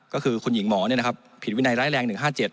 ก็คือคุณหญิงหมอเนี่ยนะครับผิดวินัยร้ายแรง๑๕๗